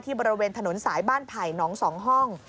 บริเวณถนนสายบ้านไผ่น้อง๒ห้อง